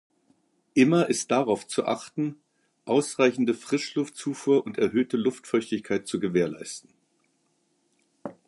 Immer ist darauf zu achten, ausreichende Frischluftzufuhr und erhöhte Luftfeuchtigkeit zu gewährleisten.